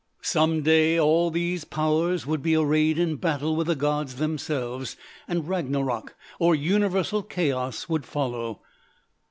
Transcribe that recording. Some day all these powers would be arrayed in battle with the gods themselves, and Ragnarok, or universal chaos would follow.